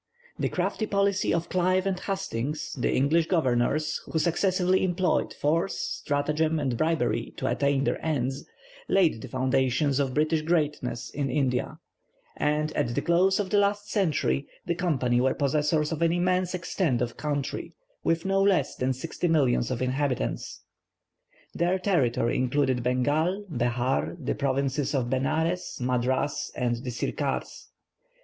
The crafty policy of Clive and Hastings, the English Governors, who successively employed force, stratagem, and bribery, to attain their ends, laid the foundation of British greatness in India, and, at the close of the last century, the Company were possessors of an immense extent of country, with no less than sixty millions of inhabitants. Their territory included Bengal, Behar, the provinces of Benares, Madras, and the Sircars.